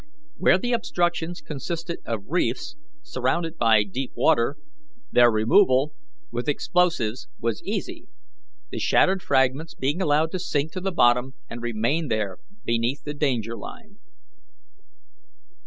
Where the obstructions consisted of reefs surrounded by deep water, their removal with explosives was easy, the shattered fragments being allowed to sink to the bottom and remain there beneath the danger line.